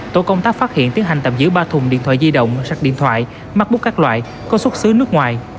tổ công tác phát hiện tiến hành tạm giữ ba thùng điện thoại di động sạc điện thoại mabook các loại có xuất xứ nước ngoài